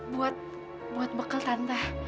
buat buat bekal tante